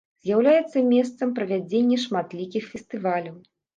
З'яўляецца месцам правядзення шматлікіх фестываляў.